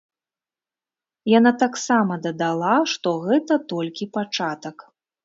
Яна таксама дадала, што гэта толькі пачатак.